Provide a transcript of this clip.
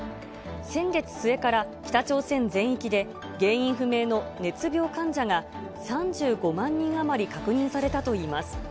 先月末から北朝鮮全域で、原因不明の熱病患者が３５万人余り確認されたといいます。